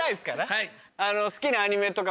はい。